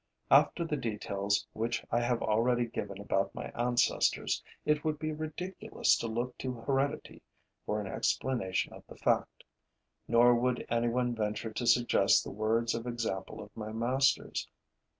After the details which I have already given about my ancestors, it would be ridiculous to look to heredity for an explanation of the fact. Nor would any one venture to suggest the words or example of my masters.